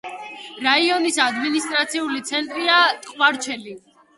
რაიონის ადმინისტრაციული ცენტრია ტყვარჩელი.